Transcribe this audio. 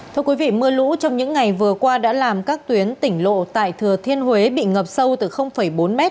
thưa quý vị mưa lũ trong những ngày vừa qua đã làm các tuyến tỉnh lộ tại thừa thiên huế bị ngập sâu từ bốn m